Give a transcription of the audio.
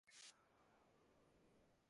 সকল ধর্মের জ্ঞানাতীত বা তুরীয় অবস্থা এক।